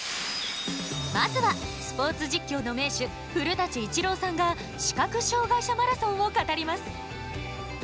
まずは、スポーツ実況の名手古舘伊知郎さんが視覚障がい者マラソンを語ります。